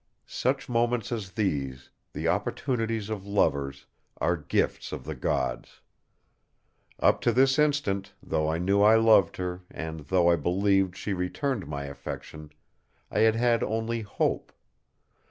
Such moments as these, the opportunities of lovers, are gifts of the gods! Up to this instant, though I knew I loved her, and though I believed she returned my affection, I had had only hope.